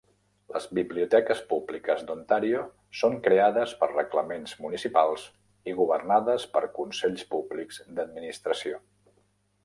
Les biblioteques públiques d'Ontario són creades per reglaments municipals i governades per consells públics d'administració.